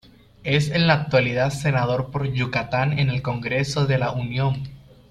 Es en la actualidad senador por Yucatán en el Congreso de la Unión.